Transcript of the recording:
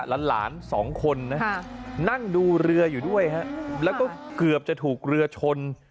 หลานสองคนนะนั่งดูเรืออยู่ด้วยฮะแล้วก็เกือบจะถูกเรือชน